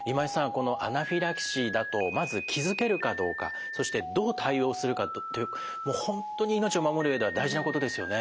このアナフィラキシーだとまず気付けるかどうかそしてどう対応するかという本当に命を守る上では大事なことですよね。